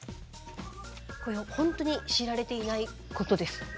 これほんとに知られていないことです。